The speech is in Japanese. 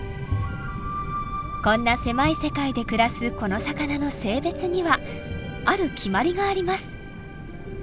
こんな狭い世界で暮らすこの魚の性別にはある決まりがあります。